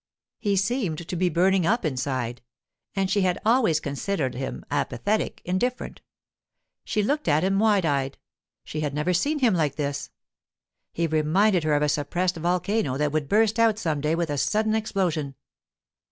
He seemed to be burning up inside; and she had always considered him apathetic, indifferent. She looked at him wide eyed; she had never seen him like this. He reminded her of a suppressed volcano that would burst out some day with a sudden explosion.